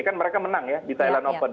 kan mereka menang ya di thailand open